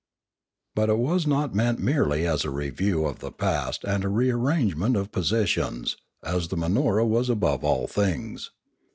But it was not meant merely as a review of the past and a rearrangement of positions, as the Manora was above all things.